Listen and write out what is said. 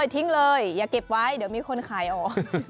ทิ้งเลยอย่าเก็บไว้เดี๋ยวมีคนขายออก